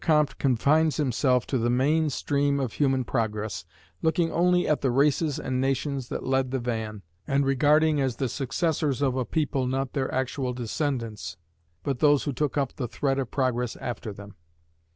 Comte confines himself to the main stream of human progress, looking only at the races and nations that led the van, and regarding as the successors of a people not their actual descendants, but those who took up the thread of progress after them.